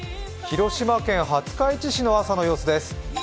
広島県廿日市市の朝の様子です。